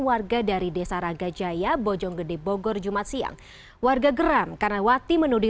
warga dari desa raga jaya bojonggede bogor jumat siang warga geram karena wati menudi